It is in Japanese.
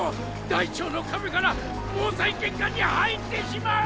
大腸の壁から毛細血管に入ってしまう。